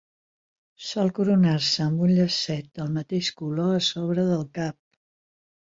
Sol coronar-se amb un llacet del mateix color a sobre del cap.